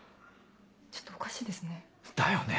ちょっとおかしいですね。